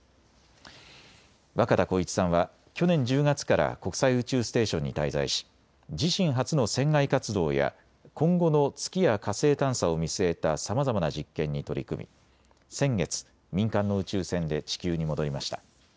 若田光一さんは去年１０月から国際宇宙ステーションに滞在し自身初の船外活動や今後の月や火星探査を見据えたさまざまな実験に取り組み先月、民間の宇宙船で地球に戻りました。